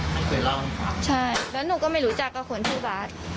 ไม่เคยเล่าใช่แล้วหนูก็ไม่รู้จักกับคนที่บ้าน